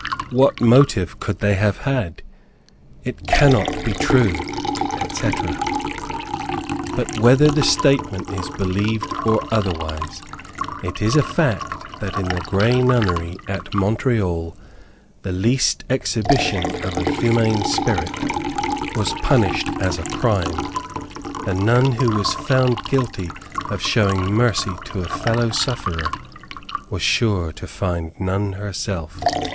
"What motive could they have had?" "It cannot be true," etc. But whether the statement is believed or otherwise, it is a fact that in the Grey Nunnery at Montreal the least exhibition of a humane spirit was punished as a crime. The nun who was found guilty of showing mercy to a fellow sufferer was sure to find none herself.